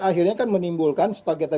akhirnya kan menimbulkan setelah kita